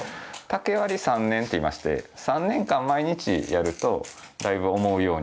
竹割り３年っていいまして３年間毎日やるとだいぶ思うように。